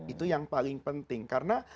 itu yang paling penting karena